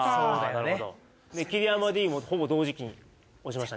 なるほど桐山Ｄもほぼ同時期に押しましたね